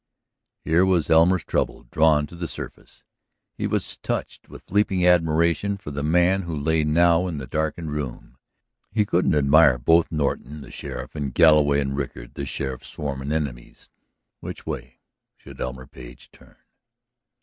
Here was Elmer's trouble drawn to the surface; he was touched with leaping admiration for the man who lay now in the darkened room, he couldn't admire both Norton, the sheriff, and Galloway and Rickard, the sheriff's sworn enemies! Which way should Elmer Page turn?